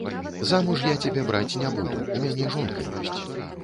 Замуж я цябе браць не буду, у мяне жонка ёсць.